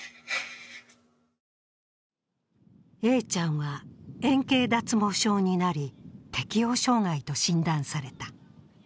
Ａちゃんは円形脱毛症になり、適応障害と診断された。